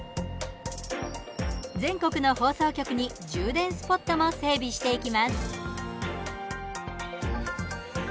全国の放送局に充電スポットも整備していきます。